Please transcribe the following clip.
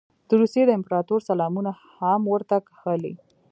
د روسیې د امپراطور سلامونه هم ورته کښلي.